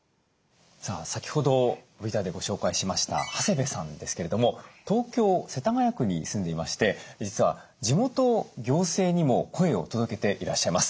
先ほどＶＴＲでご紹介しました長谷部さんですけれども東京・世田谷区に住んでいまして実は地元行政にも声を届けていらっしゃいます。